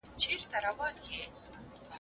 د خلګو حقونه مه غصبوئ.